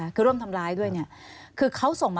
คือเขาส่งมาเป็นเอกสาร